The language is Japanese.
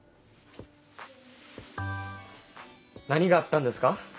何があったんですか？